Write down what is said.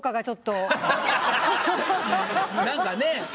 ちょっと。